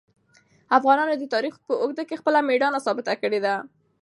افغانانو د تاریخ په اوږدو کې خپل مېړانه ثابته کړې ده.